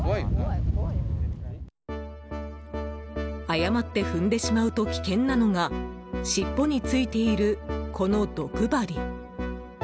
誤って踏んでしまうと危険なのが尻尾についている、この毒針。